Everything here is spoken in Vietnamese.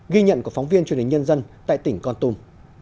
ghi nhận của phóng viên truyền hình nhân dân tại tỉnh con tum